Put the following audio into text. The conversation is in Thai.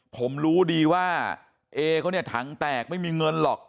ผมรู้ดีว่าเอเขาเนี่ยถังแตกไม่มีเงินหรอก